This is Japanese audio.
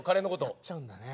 やっちゃうんだね。